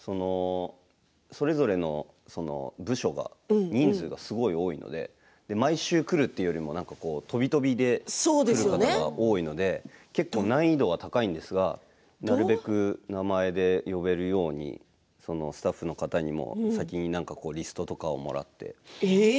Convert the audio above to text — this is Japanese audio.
それぞれの部署が人数がすごく多いので毎週来るというよりも飛び飛びで来る方が多いので結構難易度が高いんですがなるべく名前で呼べるようにスタッフの方にも先にリストとかをもらって。